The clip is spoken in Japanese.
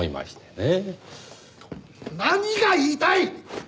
何が言いたい！？